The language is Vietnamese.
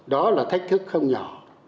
đó là thách thức không nhỏ